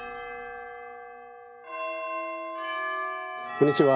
こんにちは。